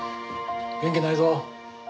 元気ないぞ。